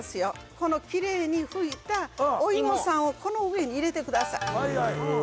このきれいに拭いたお芋さんをこの上に入れてください